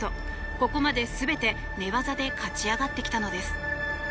ここまで全て寝技で勝ち上がってきたのです。